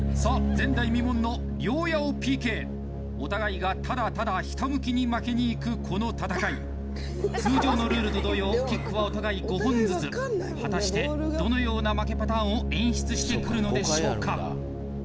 前代未聞の両八百ＰＫお互いがただただひたむきに負けにいくこの戦い通常のルールと同様キックはお互い５本ずつ果たしてどのような負けパターンを演出してくるのでしょうか？